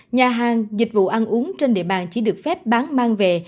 nhà hàng dịch vụ ăn uống trên địa bàn chỉ được phép bán mang về